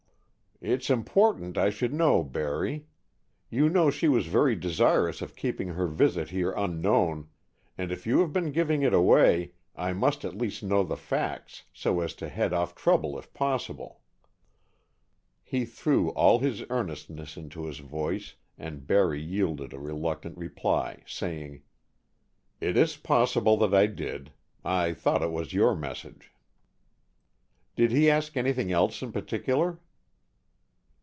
"It's important I should know, Barry. You know she was very desirous of keeping her visit here unknown, and if you have been giving it away, I must at least know the facts, so as to head off trouble if possible." He threw all his earnestness into his voice and Barry yielded a reluctant reply, saying, "It is possible that I did. I thought it was your message." "Did he ask anything else in particular?"